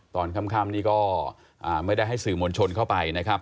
ตอนค่ำนี้ก็ไม่ได้ให้สื่อมวลชนเข้าไปนะครับ